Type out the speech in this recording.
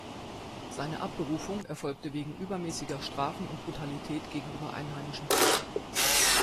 Seine Abberufung erfolgte wegen übermäßiger Strafen und Brutalität gegenüber Einheimischen.